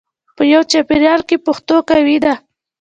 په یوه چاپېریال کې پښتو قوي ده.